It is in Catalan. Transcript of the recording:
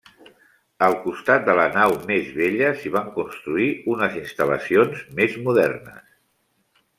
Al costat de la nau més vella s'hi van construir unes instal·lacions més modernes.